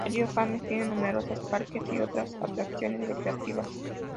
El río James tiene numerosos parques y otras atracciones recreativas.